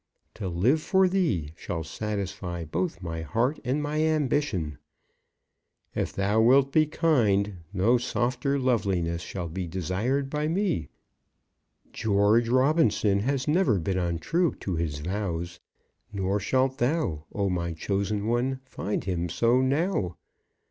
To live for thee shall satisfy both my heart and my ambition. If thou wilt be kind, no softer loveliness shall be desired by me. George Robinson has never been untrue to his vows, nor shalt thou, O my chosen one, find him so now.